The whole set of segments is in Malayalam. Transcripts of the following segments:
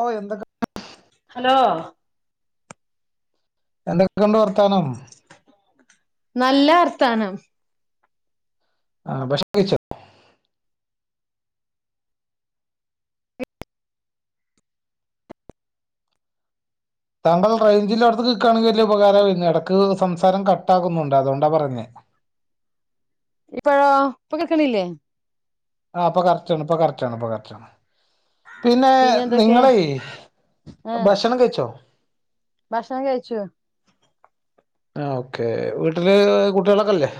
ഓ എന്തൊക്ക ഹലോ എന്തൊക്കെ ഉണ്ട് വർത്താനം നല്ല വർ താനം ആഹ ഭക്ഷ ണംകഴിച്ചോ താങ്കൾ റേഞ്ചിൽ അടുത്ത് കക്കുകയാണെങ്കിൽ വലിയ ഉപകാരമായി വരുന്നു ഇടക്ക് സംസാരം കട്ട്കുന്നുണ്ട് അതുകൊണ്ടാ പറഞ്ഞത് [inaudible] ഇപ്പഴേ ഇപ്പൊ കേക്കണ് ഇല്ലേ ആഹ് ഇപ്പ കരക്ടാണ് ഇപ്പൊ കറക്ടാ ണ് ഇപ്പൊ കറക്ടാണ് പിന്നെ നിങ്ങളൈ ആഹ് ഭക്ഷണം കഴിച്ചോ ഭക്ഷണം കഴിച്ചോ ആ ഓക്കെ വീട്ടില് കുട്ടികളൊക്കെല്ലേ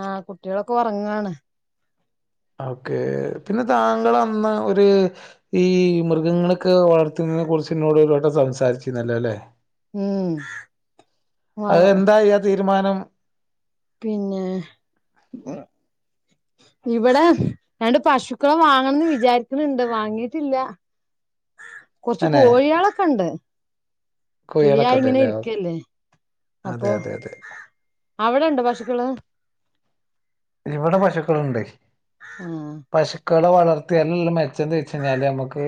ആഹ് കുട്ടികളൊക്കെ ഒറങ്ങാണ് ഓക്കേ പിന്നെ താങ്കൾ അന്ന് ഒരു ഈ മൃഗങ്ങളൊക്കെ വളർത്തി തിനെ കുറിച്ച് ഇന്നോട് ഒരുവട്ടം സംസാരിച്ചിരുന്നല്ലോ അല്ലേ ഉം അത് വള എന്തായി ആ തീരുമാനം പിന്നെ ഇവിടെ രണ്ട് പശുക്കളെ വാങ്ങണംന്ന് വിചാരിക്ക്ണുണ്ട് വാങ്ങിട്ടില്ല കൊറച്ച് അനെ കോഴികളൊക്കെ ഉണ്ട് ഫ്രീ കോഴികളൊക്കെ ആയി ഉണ്ട് ഇങ്ങനെ അല്ലേ ഇരിക്കല്ലേ അതെ അപ്പൊ അതെ അതെ അവിടെ ഉണ്ടോ പശുക്കള് ഇവിടെ പശുക്കളുണ്ടേ ആഹ് പശു ക്കളെ വളർത്തിയല്ലല്ലെ മെച്ചം എന്ത് വെച്ച് കഴിഞ്ഞാല് നമുക്ക്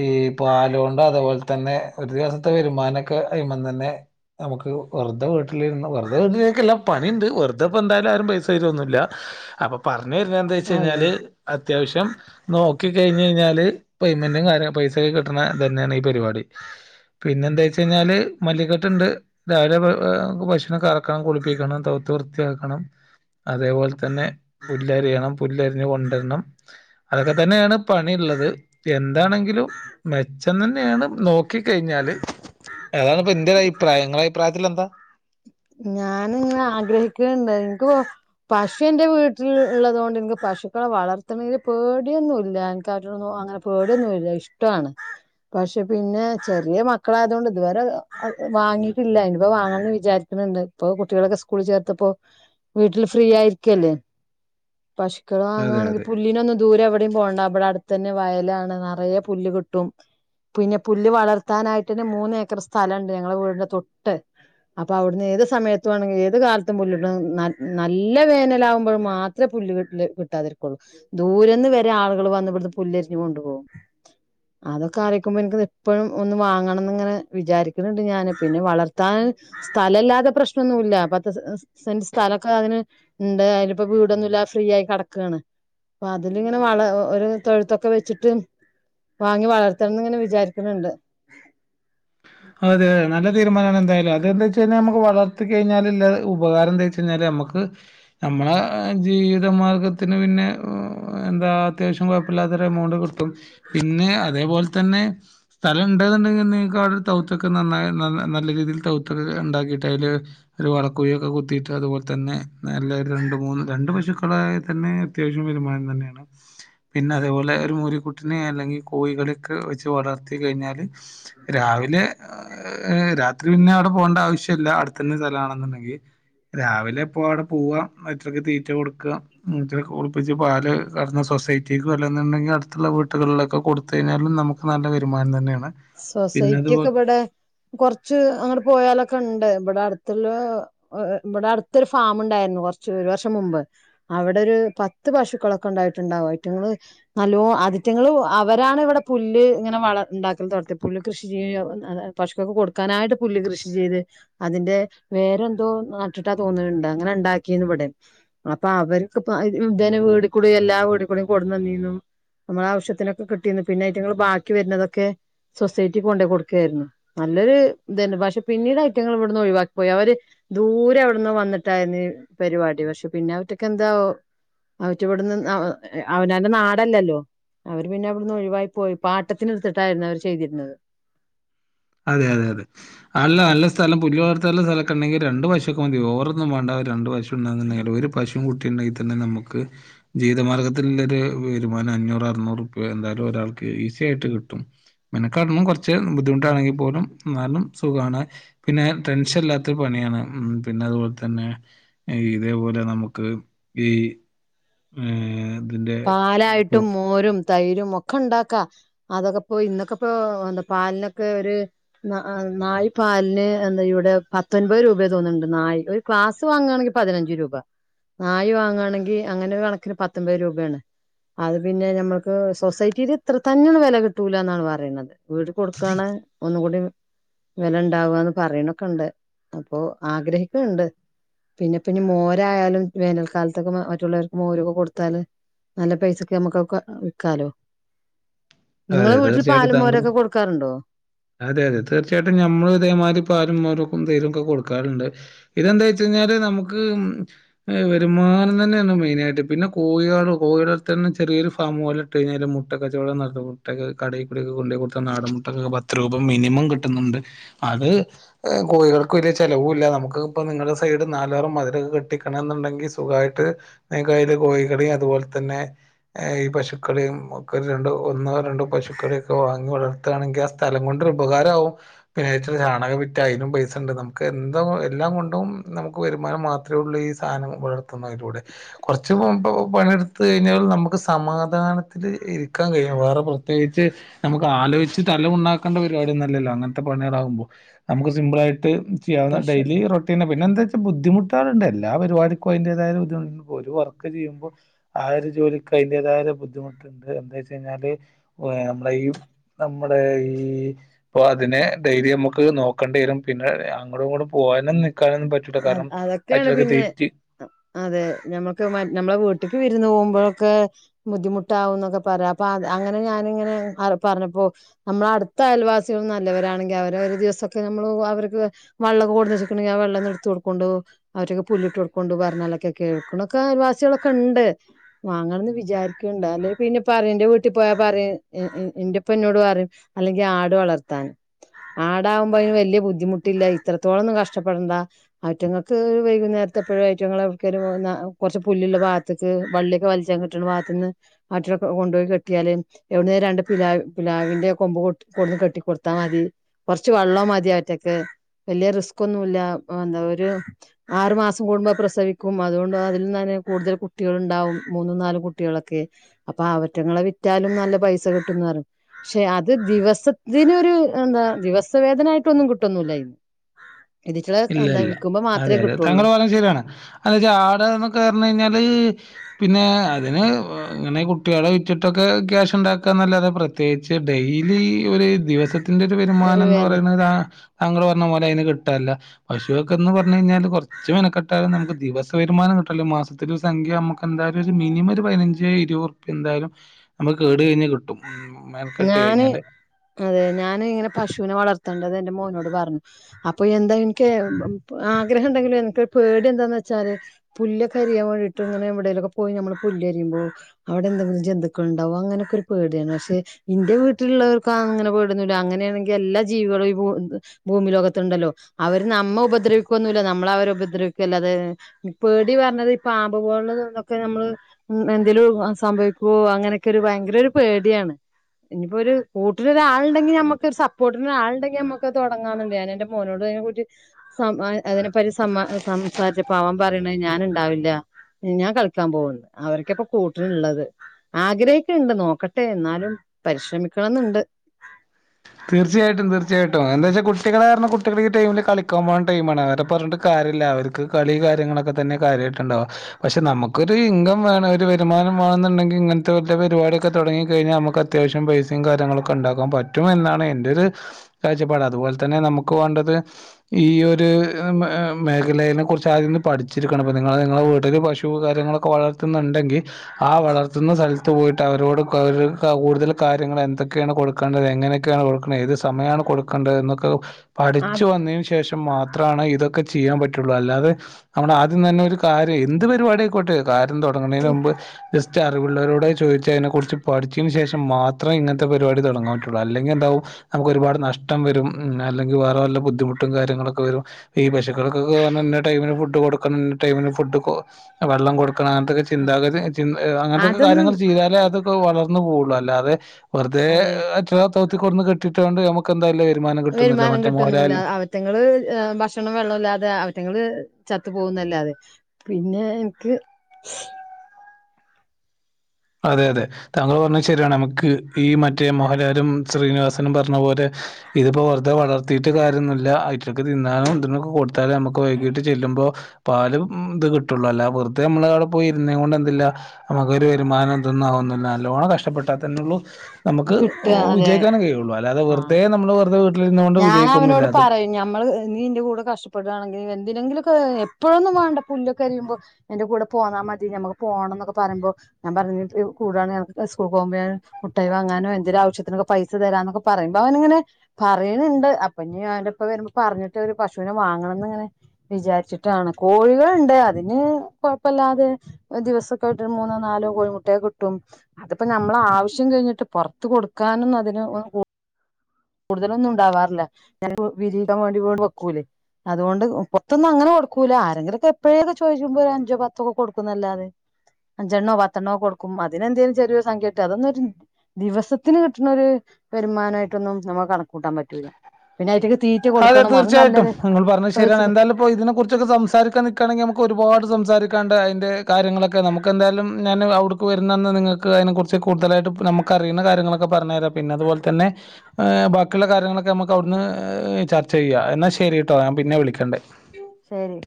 ഈ പാല് കൊണ്ട് അതേപോലെ തന്നെ ഒരു ദിവസത്തെ വരുമാനൊക്കെ അയ്മന്നന്നെ നമുക്ക് വെറുതെ വീട്ടിൽ ഇരുന്ന് വെറുത വീട്ടിലിരിക്കുവല്ലാ പണിയുണ്ട് വെറുതെപ്പോ എന്തായാലും ആരും പൈസ തരൂന്നില്ലാ അപ്പം പറഞ്ഞ് ഞ്ഞ്വെവരുന്ന എന്താ വെച്ച് അതെ കഴിഞ്ഞാല് അത്യാവശ്യം നോക്കി കഴിഞ്ഞയിഞ്ഞാല് പേയ്മെന്റും കാര്യം പൈസയൊക്കെ കിട്ടണ ഇതന്നെയാണ് ഈ പരുപാടി പിന്നെ എന്ത് വെച്ച് കഴിഞ്ഞാല് മല്ലിക്കെട്ടുണ്ട് രാവിലെ ഭക്ഷണം കറ ക്കാൻ കുളിപ്പിക്കണം തൊയ്ത്ത് വൃത്തിയാക്കണം അതേപോലെ തന്നെ പുല്ലരിയണം പുല്ലരിഞ്ഞ് കൊണ്ടുവര്ണം അതൊക്കെ തന്നെയാണ് പണി ഉള്ളത് ത് എന്താണെങ്കിലും മെച്ചം തന്നെയാണ് നോക്കിക്കഴിഞ്ഞാല് അതാണ് ഇപ്പ. എന്റെ ഒരു അഭിപ്രായം നിങ്ങളെ അഭിപ്രായത്തിൽ എന്താ ഞാൻ ഇങ്ങനെ ആഗ്രഹിക്ക്ണ്ണ്ട് എനിക്ക് പശു എന്റെ വീട്ടിൽ ഉള്ളത് കൊണ്ട് എനിക്ക് പ പശുക്കളെ വളർത്തുന്നതില പേടിയൊന്നുംല്ല എനക്ക് [unintelligible] അങ്ങനെ പേടിയൊന്നുംല്ല ഇഷ്ടവാണ് പക്ഷെ പിന്നെ ചെറിയ മക്കളായതോണ്ട് ഇതുവരെ വാങ്ങിട്ടില്ല ഇനിപ്പം വാങ്ങണംന്ന് വിചാരി ക്ക്ണുണ്ട് ഇപ്പൊ കുട്ടികളൊക്കെ സ്കൂള ചേർത്തപ്പോ വീട്ടിൽ ഫ്രീ ആയിരിക്കുവല്ലേ പശുക്കള് അതെ വാങ്ങാണെങ്കി അതെ പുല്ലിനൊന്നും ദൂരെ എവിടെയും പോണ്ട ഇവിടെ അടുത്ത തന്നെ വയലാണ് നെറയെ പുല്ല് കിട്ടും പിന്നെ പുല്ല് വളർത്താനായിട്ടന്നെ മൂന്നേക്കർ സ്ഥലം ഉണ്ട് ഞങ്ങളെ വീടിന്റെ തൊട്ട് അപ്പോ അവിടുന്ന് ഏത് സമയത്തു വെണോങ്കിലും ഏത് കാലത്തും പുല്ല് കിട്ടും നൽ നല്ല വേനല് ആവുമ്പഴ്മാത്രേ പുല്ല് കിട്ട് ല്ല് കിട്ടാതിരിക്കുള്ളൂ ദൂരെന്ന് വരെ ആളുകൾ വന്ന് ഇവിട്ന്ന് പുല്ലരിഞ്ഞ് കൊണ്ടുപോവും അതൊക്കെ അറിയിക്കുമ്പോ എനിക്കിത് എപ്പോഴും ഒന്ന് വാങ്ങണംന്ന് ഇങ്ങനെ വിചാരിക്ക്ണുണ്ട് ഞാന് പിന്നെ വളർത്താൻ സ്ഥലം ഇല്ലാതെ പ്രശ്നൊന്നു ഇല്ല പത്ത് സെ സൻ്റ് സ്ഥലൊക്കെ അതിന് ഇണ്ട് അയിലിപ്പം വീടൊന്നുല്ല ഫ്രീ ആയി കെടക്കുകാണ് അപ്പം അതിലിങ്ങനെ വളം ഒരു തൊഴുത്തൊക്കെ വെച്ചിട്ട് വാങ്ങി വളർത്തണംന്ന് ഇങ്ങനെ വിചാരിക്ക്ണുണ്ട് അതേ നല്ല തീരുമാനാണ് എന്തായാലും അതെന്താ വെച്ച് കഴിഞ്ഞാ നമ്മുക്ക് വളർത്തി കഴിഞ്ഞാലില്ല ഉപകാരം എന്താ വെച്ച കഴിഞ്ഞാല് നമ്മക്ക് നമ്മളെ ജീവിതമാർഗ്ഗത്തിന് പിന്നെ എന്താ അത്യാവശ്യം കൊഴപ്പില്ലാതെ എമൗണ്ട് കിട്ടും പിന്നെ അതേപോൽ തന്നെ സ്ഥലം ഉണ്ടതുണ്ടെങ്കി നിങ്ങ്ക്ക് അവിടെ തൗത്തൊക്കെ നന്നായി നല്ല നല്ല രീതിയിൽ തൗത്തൊക്കെ ഉണ്ടാക്കിയിട്ട് അയില് ഒരു വളക്കുഴിയൊക്കെ കുത്തിയിട്ട് അതുപോൽ തന്നെ നല്ലൊരു രണ്ട് മൂന്ന് രണ്ട് പശുക്കളായി തന്നെ അത്യാവശ്യം വരുമാനം തന്നെയാണ് പിന്നെ അതേപോലെ ഒരു മൂരീക്കുട്ടിനെ അല്ലെങ്കി കോഴികളെക്കെ വെച്ച് വളർത്തി കഴിഞ്ഞാല് രാവി ലെ രാത്രി പിന്നെ അവിടെ പോവണ്ട ആവശ്യില്ല അടുത്തന്നെ സ്ഥലാണെന്നുണ്ടെങ്കി രാവിലെ എപ്പളും അവിടെ പോവ്വാ അവറ്റൾക്ക് തീറ്റ കൊടുക്കുക ഉം [unintelligible] കുളിപ്പിച്ച് പാല് കറന്ന് സൊസൈ ഐറ്റിക്ക് വല്ലെന്നുണ്ടെങ്കി അടുത്തുള്ള വീട്ടുകളിലൊക്കെ കൊടുത്ത് കഴിഞ്ഞാലും നമുക്ക് നല്ല വരുമാനം തന്നെയാണ് സൊസൈറ്റി പിന്നതുപോ ഒക്കെ ഇവിടെ കൊറച്ച് അങ്ങട്ട് പോയാലൊക്കെ ഉണ്ട് ഇവിടെ അടുത്തുള്ള ഇവിടെ അടുത്തൊരു ഫാമ ഉണ്ടായിരുന്നു കുറച്ച് ഒരു വർഷം മുമ്പ് അവിടെ ഒരു പത്ത് പശുക്കളൊക്കെ ഉണ്ടായിട്ടുണ്ടാവും അയറ്റങ്ങള് നല്ലോ അതിറ്റങ്ങള് അവരാണ് ഇവിടെ പുല്ല് ഇങ്ങന വള ണ്ടാ ക്കൽ തൊടത്തിയെ. പുല്ല് കൃഷി ചെയ്യ [unintelligible] പശുക്കൊക്കെ കൊടുക്കാനായിട്ട് പുല്ല് കൃഷി ചെയ്ത് അതിന്റെ വേ രെ സിന്തോ നാട്ടിട്ടാ തോന്നണ് ണ്ട് അങ്ങനെ ഉണ്ടാക്കിന്ന് വിടെ അപ്പ അവർക്ക് പ്പം ഇതനെ വേ ടി എല്ലാ വീട്കൂടി കൊട്ന്നന്നീന്നു. നമ്മള ആവശ്യത്തിനൊക്കെ കിട്ടീന്നു. പിന്നെ അയ്റ്റങ്ങള് ബാക്കി വരുന്നതൊക്കെ സൊസൈറ്റി കൊണ്ടയ് കൊടുക്കുവായിരുന്നു. നല്ലൊരു ഇതന്നെ. പക്ഷെ പിന്നീട് ഐറ്റങ്ങൾ ഇവിടുന്ന് ഒഴിവാക്കിപ്പോയി അവര് ദൂരെ എവിട്ന്നോ വന്നിട്ടായിരുന്നു ഇ പരിപാടി. പക്ഷെ പിന്നെ അവറ്റൊക്കെ എന്താ അവറ്റ ഇവിടുന്ന് അവനാന്റെ നാടല്ലല്ലോ അവര് പിന്നെ അവിടുന്ന് ഒഴിവായി പോയി പാട്ടത്തിനെടുത്തിട്ടായിരുന്നു അവര് ചെയ്തിരുന്നത് അതെ അതെ അതെ അല്ല നല്ല സ്ഥലം പുല്ല് വളർത്താല്ല സ്ഥലക്കെ ഉണ്ടെങ്കിൽ രണ്ടു പശു ക്കെ മതി. ഓവറൊന്നും വേണ്ട രണ്ട് പശുണ്ടാന്ന് ഇണ്ടെങ്കില് ഒരു പശും കുട്ടിണ്ടെങ്കിൽ തന്നെ നമുക്ക് ജീവിതമാർഗ ത്തില്ല്ലൊര് വരുമാനം അഞ്ഞൂറ് അറുന്നൂറ്പ്യ എന്തായാലും ഒരാൾക്ക് ഈസി ആയിട്ട് കിട്ടും മെനക്കാടണം കുറച്ച് ബുദ്ധിമുട്ടാണെങ്കിലും പോലും നാലും സുഖമാണ് പിന്നെ ടെൻഷൻ ഇല്ലാത്തൊരു പണിയാണ് ഉ പിന്നെ അതുപോലെ തന്നെ ഹെ ഇതേപോലെ നമുക്ക് ഈ ഏ പാലായിട്ടും മോരും തൈരും ഒക്കെ ക്ക ഇണ്ടാക്ക അതൊക്കെപ്പോ ഇന്നൊക്കെ ഇപ്പോ എന്താ പാലിനൊക്കെ ഒരു നായി പാ പാലിലിന് എന്താ ഇവിടെ പത്തൊൻപത് രൂപ തോന്നുന്നുണ്ട് നായി ഒരു ഗ്ലാസ് വാങ്ങുയാണെങ്കിൽ പതിനഞ്ച് രൂപ നായി വാങ്ങുകയാണെങ്കിൽ അങ്ങനെ ഒരു കണക്കിന് പത്തൊമ്പത് രൂപ വേണ് അത് പിന്നെ നമ്മക്ക് സൊസൈറ്റിൽ ഇത്ര തന്നെ വില കിട്ടൂല എന്നാണ് പറയണത് വീട് കൊടുക്കാണ് ഒന്നുകൂടി വെല ഇണ്ടാവന്ന് പറയണൊക്കെണ്ട് അപ്പൊ ആഗ്രഹിക്കുണ്ട് പിന്നെ പിന്ന് മോരായാലും വേനൽക്കാലത്തൊക്കെ മറ്റുള്ളവർക്ക് മോരൊക്കെ കൊടുത്താല് നല്ല പൈസക്ക് നമ്മുക്കക്കെ വിക്കാലോ അതെ തീർച്ചയായിട്ടും താങ്കളും അതെ അതെ തീർച്ചയായിട്ടും ഞമ്മൾ ഇതേമാതിരി പാലും മോരും എന്തെലും ക്കെ കൊടുക്കാറുണ്ട് ഇതെന്താ വെച്ച കഴിഞ്ഞാല് നമുക്ക് വരുമാനം തന്നെയാണ് മെയിനായിട്ട് പിന്നെ കോഴികൾ കോഴിവളർത്തലിന് ചെറിയൊരു ഫാമ് പോലെ ഇട്ട് കഴിഞ്ഞാലും മുട്ട കച്ചവടം നടത്ത മുട്ടക്കെ കടികൂടിക്കെ കൊണ്ട കൊടുത്ത നാടൻമുട്ടക്ക് പത്ത് രൂപ മിനിമം കിട്ടുന്നുണ്ട് അത് ഹെ കോഴികൾക്ക് വലിയ ചിലവുമില്ല നമുക്കിപ്പം നിങ്ങളുടെ സൈഡ് നാലാറും മതില് കെട്ടിക്കണമെന്നുണ്ടെങ്കിൽ സുഖമായിട്ട് ക്കല് കോഴികളും അതുപോലെ തന്നെ ഈ പശുക്കളിയും ഒക്കെ രണ്ട് ഒന്ന് രണ്ട് പശുക്കളിയൊക്കെ വാങ്ങി വളർ ണെങ്കി ആ സ്ഥലം കൊണ്ടൊരു ഉപകാരമാവും പിന്നെച്ച ചാണകം വിറ്റ അയിനും പൈസ ഇണ്ട് നമുക്ക് എന്തോ എല്ല ല്ലാം കൊണ്ടുംനമുക്ക് വരുമാനം മാത്രമേ ഉള്ളൂ ഈ സാധനം വളർത്തുന്നതിലൂടെ കുറച്ച് മുൻപ് പണി ത്ത് കഴിഞ്ഞാൽ നമുക്ക് സമാധാനത്തിൽ ഇരിക്കാൻ കഴിയും വേറെ പ്ര പ്രത്യേകിച്ച് നമുക്ക് ആലോചിച്ച് തല പുണ്ണാക്കേണ്ട പരിപാടിയൊന്നല്ലല്ലോ അങ്ങനത്തെ പണികളാകുമ്പോൾ നമുക്ക് സിമ്പിൾ ആ ട്ട് ചെയ്യാവുന്ന പക്ഷെ ഡെയിലി റൊട്ടീന പിന്നെ എന്താ വെച്ചാ ബുദ്ധിമുട്ട് ത്തനണ്ട് എല്ലാരിപാടിക്കും അതിന്റതായ ബുദ്ധിമുട്ട് ഒരു വർക്ക് ചെയ്യുമ്പോ ആ ഒരു ജോലിക്ക് അതിന്റതായും ബുദ്ധിമുട്ടുണ്ട് എന്താ വെച്ച് കഴിഞ്ഞാല് ഒ ഹെ നമ്മള ഈ നമ്മുടെ ഈ ഇപ്പൊ അതിനെ ഡൈലി നമ്മുക്ക് നോക്കേണ്ടി വരും പിന്നെ അങ്ങോടും ഇങ്ങോട്ടും പോ പോയാലും നിക്കാനൊന്നും പറ്റ് അ അതൊക്കെയാണ് പിന്നെ അതെ നമ്മക്ക് നമ്മളെ വീട്ടക്ക് വി വിരുന്ന് പോകുമ്പോഴൊക്കെ ബുദ്ധിമുട്ടാവും എന്നൊക്കെ പറ അപ്പൊ അങ്ങനെ ഞാനിങ്ങനെ പറഞ്ഞപ്പോ നമ്മള അടുത്ത അയൽവാസികൾ നല്ലവരാണെങ്കിൽ അവര് ഒരു ദിവസൊക്കെ നമ്മള് അവർക്ക് വള്ളൊക്കെ കൊടുത്തച്ചക്കണെ വെള്ളന്നു എടുത്ത് കൊടു ക്കുണ്ടു അവരൊക്കെ പുല്ലിട്ട് കൊടുക്കുണ്ട് പറഞ്ഞാലൊക്കെ കേൾക്കണൊക്കെ അയൽവാസികളൊക്കെ ഇണ്ട് വാങ്ങ വിചാരിക്കണ്ടാ അല്ലെങ്കിൽ പിന്നെ എന്റെ വീട്ടിൽ പോയാ പറയും എൻ്റുപ്പ എന്നോട് പറയും അല്ലെങ്കി അ ആട് വളർത്താൻ ആടാകുമ്പോ അയിന് വല്യ ബുദ്ധിമുട്ടില്ല ഇത്രത്തോളന്നും കഷ്ടപ്പെടണ്ട അറ്റ്ങ്ങൾക്ക് വൈകുന്നേരത്തെപ്പഴോ അറ്റ്ങ്ങളെ കേറി മൂടുന്ന കൊറച്ച് പുല്ലുള്ള ഭാത്തേക്ക് വള്ളിയൊക്കെ വലിച്ച ന്നിട്ടൊരു ഭാഗത്തന്ന് അയ്റ്റളെ കൊണ്ടോയി കെട്ടിയാല് എവിടന്നെ രണ്ട് പിലാ പിലാവിൻ്റെ കൊമ്പ് കൊണ്ട് കൊണ്ട് കെട്ടിക്കൊടുത്താ മതി കൊറച്ച് വെള്ളോം മതി അവറ്റക്ക് വെല്ല്യ റിസ്കൊന്നുല്ല രും ആറു മാസം കൂടുമ്പോ പ്രസവിക്കും അതുകൊണ്ട് അതിന്നന്നെ കൂടുതൽ കുട്ടികള്ണ്ടാവും മൂന്നും നാലും കുട്ടികളക്കെ. അപ്പ അവറ്റങ്ങളെ വിറ്റാലും നല്ല പൈസ കിട്ടുന്നറഞ്ഞ് ക്ഷെ അത് ദിവസത്തിനൊരു എന്താ ദിവസ വേതനായിട്ടൊന്നും കിട്ടൊന്നൂല്ല അയിന്ന്. ഇല്ല ഇല്ല. [unintelligible] അതെ അതെ കിട്ടുള്ളൂ താങ്കൾ പറഞ്ഞ ശരിയാണ് അതന്നച്ചാ ആട് എന്നൊക്കെ പറഞ്ഞ് കഴിഞ്ഞാല് പിന്നെ അതിന് ഇങ്ങനെ കുട്ടികളെ വിറ്റിട്ടൊക്കെ ക്യാഷ്ണ്ടാക്ക എന്നല്ലാതെ പ്രത്യേകിച്ച് ഡെയിലി ഒ ര് ദിവസത്തിന്റെ ഒരു വരുമാനംന്ന് പറയണതാ താങ്കൾ പറഞ്ഞ പോലെ അതിന് കിട്ടാല്ല. പശുവൊക്ക എന്ന് പറഞ്ഞ് കഴിഞ്ഞാല് കൊറച്ച് മെനക്കെട്ടാൽ നമുക്ക് ദിവസ വരുമാനം കിട്ടല്ലോ മാസത്തിലൊരു സംഖ്യ നമക്കെന്താ എന്തായാലും ഒരു മിനിമം ഒരു പതിനഞ്ച് ഇരുപതുർപ്യ എന്തായാലും നമക്ക് കേടു കഴിഞ്ഞാൽ കിട്ടും. ഉം മെനക്കെട്ട് ഞാന് കഴിഞ്ഞാല്. അതെ ഞാന് ഇങ്ങനെ പശുവിനെ വളർത്തേണ്ടത് എന്റെ മോനോട് പറഞ്ഞു. അപ്പൊ എന്താ എനിക്ക് ആഗ്രഹം ഉണ്ടെങ്കിലു എനിക്കൊരു പേടി എന്താന്ന് വെച്ചാല് പുല്ല് ക്കരിയാൻ വേണ്ടിട്ടങ്ങനെവിടേലൊക്കെ പോയി നമ്മള് പുല്ലരിയുമ്പോ അവിടെന്തെങ്കിലും ജന്തുക്കൾണ്ടവോ അങ്ങനൊക്കൊരു പേ ടിയാണ് പഷേ ഇന്റെ വീട്ടിലുള്ളവർക്കും അങ്ങനെ പേടിയൊന്നില്ല അങ്ങനെയാണെങ്കിൽ എല്ലാ ജീവികളും ഈ ഭൂ ഭൂമി ലോകത്തുണ്ടല്ലോ. അവര് നമ്മ ഉപദ്രവിക്കുവൊന്നുല്ല നമ്മളവരെ ഉപദ്രവിക്കല്ലാതെ പേടി പറഞ്ഞത് ഈ പാമ്പ് പോൽ മ്മളതോക്കെ നമ്മള് എന്തേലും സംഭവിക്കുവോ അങ്ങനെക്കെരു ഭയങ്കര ഒരു പേടിയാണ്. ഇനിപ്പൊരു കൂട്ടിനൊരാളുണ്ടെങ്കി യമ്മക്ക് ഒരു സപ്പോർട്ടിനൊരാളുണ്ടെങ്കി നമ്മക്കത് തൊടങ്ങാന്ന്‌ണ്ട് ഞാനെന്റെ മോ നോട് അതിനെകുറിച് സം ആ അതിനെപ്പറ്റി സമാ സംസാരിച്ചപ്പോ അവൻ പറയണ ഞാന്ണ്ടാവില്ല ഞാൻ കളിക്കാൻ പോവ്ന്നു അവരക്കപ്പ കൂട്ടിന്ള്ളത് ആഗ്രഹക്കെണ്ട് നോക്കട്ടെ എന്നാലും പരിശ്രമിക്കണന്ന്‌ണ്ട്. തീർച്ചയായിട്ടും തീർച്ചയായിട്ടും എന്താച്ചാ കുട്ടികളാരണം കുട്ടികളിടൈമില് കളിക്കാൻ പോണ ടൈമാണ് അവരെ പറഞ്ഞിട്ട് കാ ര്യല്ല അവര്ക്ക് കളി കാര്യങ്ങളൊക്കെ തന്നെ കാര്യയിട്ട്ണ്ടാവാ പഷെ നമുക്കൊരു ഇൻകംവാണം ഒരു വരുമാനം മാണെന്നുണ്ടങ്കി ഇങ്ങനത്തെമറ്റേ പരിപാടിക്കെ തൊടങ്ങിക്കഴിഞ്ഞാൽമ്മക്ക് അത്യാവശ്യം പൈസേം കാര്യങ്ങളൊക്കെണ്ടാക്കാൻ പറ്റും. റ്റുമെന്നാണ് എന്റെ ഒരു കാഴ്ചപ്പാട് അതുപോലെ തന്നെ നമുക്ക് വാണ്ടത് ഈ ഒര് മേഖലെയ്നെ കുറിച്ച് ആദ്യോന്ന് പഠിച്ചിരിക്കണം ഇപ്പ നിങ്ങളാ നിങ്ങടെ വീട്ടില് പശു കാര്യങ്ങളൊക്കെ വളർത്തുന്നുണ്ടെങ്കി ആ വളർത്തുന്ന സ്ഥലത്ത് പോയിട്ട് അവരോട് [unintelligible] കൂടുതൽ കാര്യങ്ങൾ എന്തൊക്കെയാണ് കൊടുക്കണ്ടത് എങ്ങനക്കെയാണ് കൊടുക്കണെ ഏത് സമയാണ് കൊടുക്കണ്ടതന്നൊക്കെ പഠിച്ചു വന്നേന് ശേഷം മാത്രാണ് ഇതൊക്കെ ചെയ്യാൻ പറ്റുള്ളൂ അല്ലാതെ നമ്മടെ ആദ്യം തന്നെ ഒരു കാര്യം എന്ത് പരിപാടി ക്കോട്ടെ കാര്യം തൊടങ്ങുന്നേനുമ്പ് ജസ്റ്റ് അറിവുള്ളോരോടെ ചോയി ച്ചേനെക്കുറിച്ച് പഠിചീനു ശേഷം മാത്രം ഇങ്ങൻത്തെ പരിവാടി തൊടങ്ങാ ങ്ങിയന്താവും നമുക്ക് ഒരുപാട് നഷ്ടം വരും ഉം അല്ലെങ്കി വേറ വല്ല ബുദ്ധിമുട്ടും കാര്യങ്ങളൊക്കെ വരും ഈ പശക്ക ക്കകൊക്കെ ഇന്ന ടൈമിന് ഫുഡ്‌ കൊടുക്കാന്ന്‌ ഇന്ന ടൈമിന് ഫുഡ്‌കൊ വെള്ളം കൊടു ക്കണം അങ്ങൻത്തൊക്കെ ചിന്താഗതി ചിൻ ഏ അങ്ങനത്തൊക്കെ അതൊന്നും കാര്യങ്ങൾ ചെയ്താലേ അതക്കെ വളർന്നു പോവുള്ളു അല്ലാതെ വെറുതേ അതെ അ തോഴ് ത്ത്കൊട്ന്ന്‌ കെട്ടിട്ടണ്ട് നമക്ക് എന്തലത് വെരുമാനം കിട്ടുവൊന്നുല്ല അവറ്റങ്ങള് ഭക്ഷണം വെള്ളല്ലാതെ അവറ്റങ്ങള് ചത്തു പോകുന്നല്ലാതെ പിന്നെ എനിക്ക് അതെ അതെ താങ്കൾ പറഞ്ഞത് ശരിയാണ് നമുക്ക് ഈ മറ്റേ മോഹൻലാലും ശ്രീനിവാസനും പറഞ്ഞ പോലെ ഇതിപ്പോ വെറുതെ വളർത്തിട്ട് കാര്യോന്നുല്ല അയ്റ്റ്ക്ക്‌ തിന്നാനും ഇതിങ്ങക്ക് കൊടുത്താലേ നമ്മുക്ക് വൈകീട്ട് ചെല്ലു പാലും ഇത് കിട്ടുള്ളൂ അല്ല വെറുതെ നമ്മളവിടെ പോയി ഇരുന്നേ കൊണ്ട് എന്തില്ല നമുക്കൊരു വരുമാനം തന്നാവോന്നില്ല നല്ലോണം കഷ്ടപ്പെട്ട തന്നെള്ളു നമുക്ക് ഓ കിട്ടുക അതെ വിജയിക്കാനഴിയുള്ളൂ അല്ലാതെ ആഹ് വെറുതെ നമ്മള് വെറുതെ വീട്ടിലിരുന്ന കൊണ്ട് ഞാൻ വിജയിക്കൊന്നുല്ല. അവനോട് പറയും ഞമ്മള് നീ ന്റെ കൂടെ കഷ്ടപ്പെടുവാണെങ്കിൽ ഇതിനെങ്കിലൊക്ക എപ്പോഴൊന്നും വേണ്ട പുല്ലൊക്കെ അരിയുമ്പോ എന്റെ കൂടെ പോന്നാ മതി ഞമ്മക്ക് പോണന്നൊക്കെ പറമ്പം ഞാൻ പറഞ്ഞിട്ട് കൂടാണ് ഞക്ക് സ്കൂൾ പോമ്പേ മുട്ടായി വാങ്ങാനോ എന്തെര് ആവശ്യത്തിനൊക്കെ പൈസ തരാന്നൊക്കെ പറയുമ്പ അവനിങ്ങനെ പറയണുണ്ട് അപ്പ ഇനി അവന്റെ ഇപ്പൊ വരുമ്പോ പറഞ്ഞിട്ട് ഒരു പശുനെ വാങ്ങണംന്ന്ങ്ങനെ വിചാരിച്ചിട്ടാണ്. കോഴികളുണ്ട് അതിന് കൊഴപ്പല്ലാതെ ദിവസക്കായിട്ട് ഒരു മൂന്നോ നാലോ കോഴിമുട്ടയൊക്കെ കിട്ടും അതിപ്പോ നമ്മള ആവശ്യം കഴിഞ്ഞിട്ട് പൊറത്ത് കൊടുക്കാനൊന്നും അതിന് കൂടുതലൊന്നും ഉണ്ടവാറില്ല. ഞാൻ വിരിയിക്കാൻ വേണ്ടിങ്ങാണ്ട് വെക്കൂലേ അതുകൊണ്ട് പൊറത്തൊന്നും അങ്ങനെ കൊടുക്കൂല ആരെങ്കിലൊക്കെ എപ്പഴേലൊക്കെ ചോയ്ച്ചുമ്പൊ ഒരു അഞ്ചോ പത്തൊക്കെ കൊടുക്കുന്നല്ലാതെ. അഞ്ചെണ്ണോ പത്തെണ്ണോ കൊടുക്കും അതിനെ എന്തേലും ചെറിയൊരു സംഖ്യ കിട്ടും. അതൊന്നരു ദിവസത്തിന് കിട്ടണൊരു വരുമാനായിട്ടൊന്നും നമ്മക്ക് കണക്കൂട്ടാൻ പറ്റൂല്ല പിന്നെ അയ്റ്റക്ക് അതെ തീർച്ചയായിട്ടും നിങ്ങള് പറഞ്ഞത് ശരിയാണ് പൈസ എന്തായാലും ഇതിനെ കുറിച്ചൊക്കെ സംസാരിക്കാൻ നിക്കാണെങ്കി നമുക്ക് ഒരുപാട് സംസാ രിക്കേണ്ടായി ന്റെ കാര്യങ്ങളൊക്കെ നമുക്കെന്തായാലും ഞാൻ അവിടുക്ക് വരുന്നന്ന് നിങ്ങൾക്ക് അതിനെ കുറിച്ച് കൂടുതലായിട്ട് ഞമ്മക്കറീണ കാര്യ ങ്ങളൊക്കെ പറഞ്ഞര പിന്നെ അതുപോലെ തന്നെ ബാക്കിയുള്ള കാര്യങ്ങളൊക്കെ നമക്ക് അവിട്ന്ന് ചർച്ച ചെയ്യ എന്നാ ശരി ട്ടോ ഞാൻ പിന്നെ വിളിക്കണ്ട്. ശരി